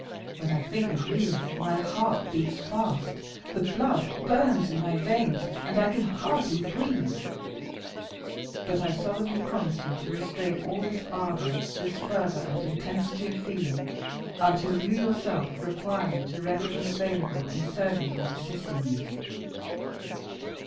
When I think of you my heart beats fast, the blood burns in my veins, and I can hardly breathe; but I solemnly promise you to restrain all this ardor, this fervor and intensity of feeling, until you yourself shall require me to render them available in serving or assisting you.